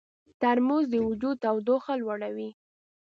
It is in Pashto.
ترموز د وجود تودوخه لوړوي.